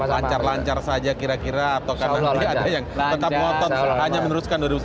lancar lancar saja kira kira atau karena tidak ada yang tetap ngotot hanya meneruskan dua ribu sembilan belas